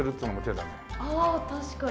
ああ確かに。